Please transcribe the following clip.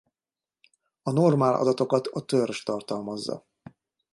A normál adatokat a törzs tartalmazza.